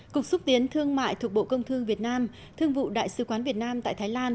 cục xúc tiến thương mại thuộc bộ công thương việt nam thương vụ đại sứ quán việt nam tại thái lan